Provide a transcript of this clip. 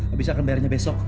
abis itu akan bayarnya besok